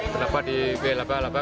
kenapa di wlaba laba